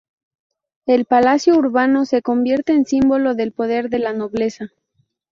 El palacio urbano se convierte en símbolo del poder de la nobleza.